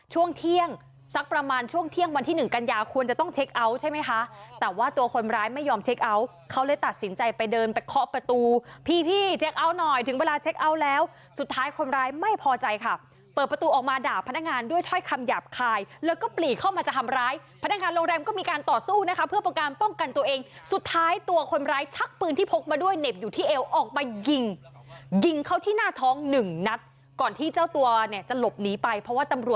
หมายถึงเวลาเช็คเอาท์แล้วสุดท้ายคนร้ายไม่พอใจค่ะเปิดประตูออกมาด่าพนักงานด้วยถ้อยคำหยาบคายแล้วก็ปลีเข้ามาจะทำร้ายพนักงานโรงแรมก็มีการต่อสู้นะคะเพื่อประการป้องกันตัวเองสุดท้ายตัวคนร้ายชักปืนที่พกมาด้วยเหน็บอยู่ที่เอลออกไปยิงยิงเขาที่หน้าท้องหนึ่งนัดก่อนที่เจ้าตัวเนี่ยจะหลบหนีไปเพราะว